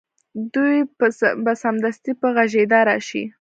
دوی به سمدستي په غږېدا راشي